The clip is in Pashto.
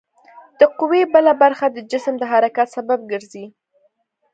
د قوې بله برخه د جسم د حرکت سبب ګرځي.